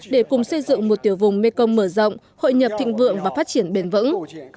để cùng xây dựng một tiểu vùng mekong mở rộng hội nhập thịnh vượng và phát triển bền vững